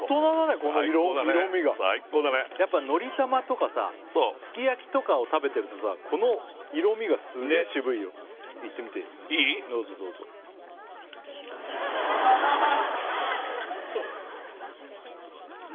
この色みがやっぱのりたまとかさすきやきとかを食べてるとさこの色みがすげえ渋いよいってみてどうぞどうぞいい？